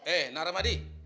eh nak rahmadi